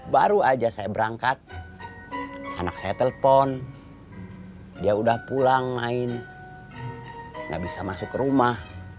baru aja saya berangkat anak saya telpon dia udah pulang main nggak bisa masuk ke rumah